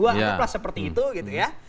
atau seperti itu gitu ya